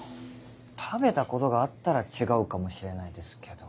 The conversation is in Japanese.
食べたことがあったら違うかもしれないですけど。